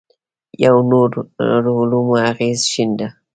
پر نورو علومو اغېز ښنده.